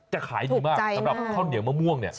จะขายดีมากสำหรับข้าวเหนียวมะม่วงเนี่ย